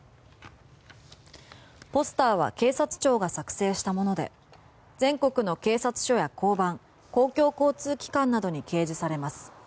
ポスターは警察庁が作成したもので全国の警察署や交番公共交通機関などに掲示されます。